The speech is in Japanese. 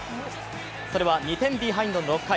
それは２点ビハインドの６回。